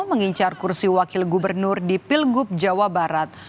mengincar kursi wakil gubernur di pilgub jawa barat